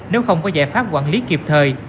nếu không có giải pháp quản lý kịp thời